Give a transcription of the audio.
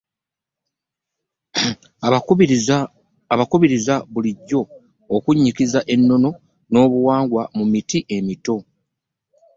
Abakubirizza bulijjo okunnyikiza ennono n’obuwangwa mu miti emito